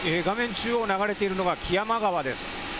中央を流れているのが木山川です。